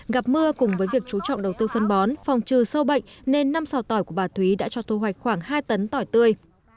gặp mưa cùng với việc chú trọng đầu tư phân bón phòng trừ sâu bệnh nên năm xào tỏi của bà thúy đã cho thu hoạch khoảng hai tấn tỏi tươi